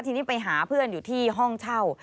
ทีนี้ไปหาเพื่อนอยู่ที่ห้องเช่า